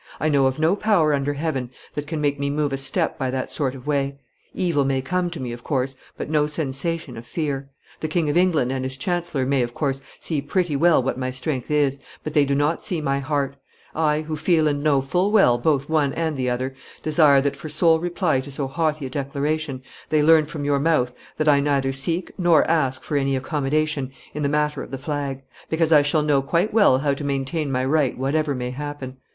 I know of no power under heaven that can make me move a step by that sort of way; evil may come to me, of course, but no sensation of fear. The King of England and his chancellor may, of course, see pretty well what my strength is, but they do not see my heart; I, who feel and know full well both one and the other, desire that, for sole reply to so haughty a declaration, they learn from your mouth that I neither seek nor ask for any accommodation in the matter of the flag, because I shall know quite well how to maintain my right whatever may happen.